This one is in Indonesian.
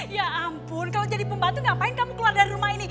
ya ampun kalau jadi pembantu ngapain kamu keluar dari rumah ini